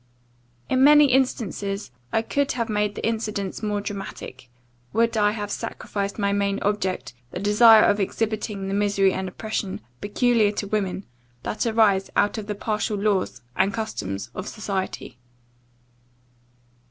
In many instances I could have made the incidents more dramatic, would I have sacrificed my main object, the desire of exhibiting the misery and oppression, peculiar to women, that arise out of the partial laws and customs of society.